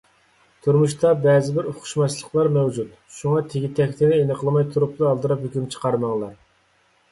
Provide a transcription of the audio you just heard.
تۇرمۇشتا بەزىبىر ئۇقۇشماسلىقلار مەۋجۇت، شۇڭا تېگى-تەكتىنى ئېنىقلىماي تۇرۇپ ئالدىراپ ھۆكۈم چىقارماڭلار.